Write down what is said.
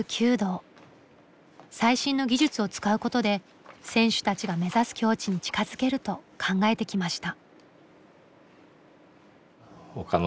最新の技術を使うことで選手たちが目指す境地に近づけると考えてきました。